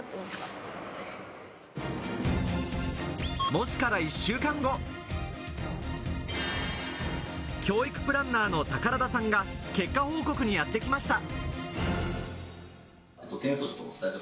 模試から１週間後、教育プランナーの宝田さんが結果報告にやってきました。